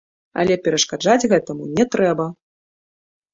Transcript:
Але перашкаджаць гэтаму не трэба.